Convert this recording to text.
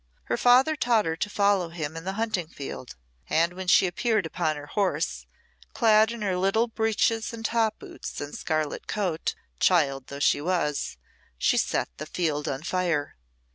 Her father taught her to follow him in the hunting field, and when she appeared upon her horse, clad in her little breeches and top boots and scarlet coat, child though she was, she set the field on fire.